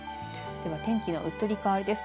では、天気の移り変わりです。